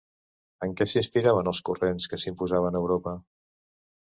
En què s'inspiraven els corrents que s'imposaven a Europa?